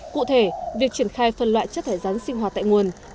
cụ thể việc triển khai phân loại chất thải rắn sinh hoạt tại nguồn